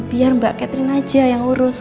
biar mbak catherine aja yang urus